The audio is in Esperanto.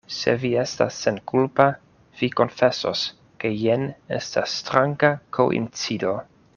Se vi estas senkulpa, vi konfesos, ke jen estas stranga koincido.